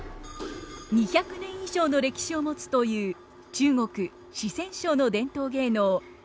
２００年以上の歴史を持つという中国・四川省の伝統芸能「川劇」の秘伝の技です。